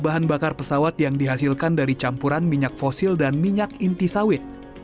bahan bakar pesawat yang dihasilkan dari campuran minyak fosil dan minyak inti sawit